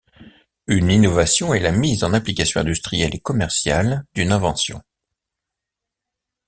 Une innovation est la mise en application industrielle et commerciale d’une invention.